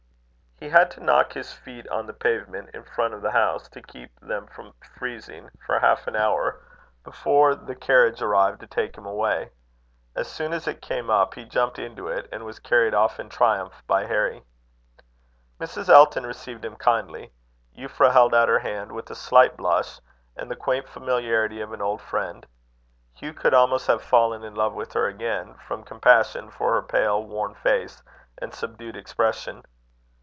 He had to knock his feet on the pavement in front of the house, to keep them from freezing, for half an hour, before the carriage arrived to take him away. As soon as it came up, he jumped into it, and was carried off in triumph by Harry. Mrs. Elton received him kindly. Euphra held out her hand with a slight blush, and the quiet familiarity of an old friend. Hugh could almost have fallen in love with her again, from compassion for her pale, worn face, and subdued expression.